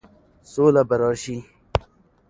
سوله به راشي،